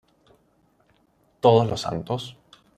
Todos los Santos.